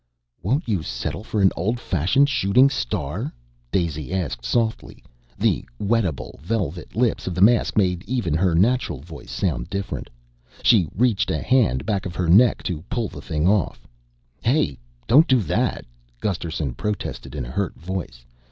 "Won't you settle for an old fashioned shooting star?" Daisy asked softly. The (wettable) velvet lips of the mask made even her natural voice sound different. She reached a hand back of her neck to pull the thing off. "Hey, don't do that," Gusterson protested in a hurt voice.